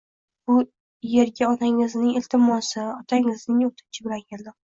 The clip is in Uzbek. Bu erga onangizning iltimosi, otangizning o`tinchi bilan keldim